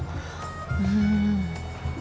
うん。